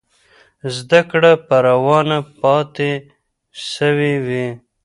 زده کړه به روانه پاتې سوې وي.